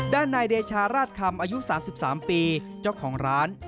นายเดชาราชคำอายุ๓๓ปีเจ้าของร้าน